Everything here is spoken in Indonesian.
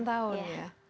sembilan tahun ya